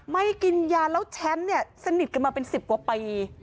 ไม่กินยาแล้วแชมป์เนี่ยสนิทกันมาเป็น๑๐กว่าปี